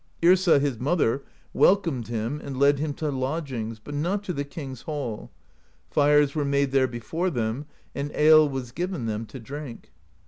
Yrsa, his mother, welcomed him and led him to lodgings, but not to the king's hall: fires were made there before them, and ale was given them to drink.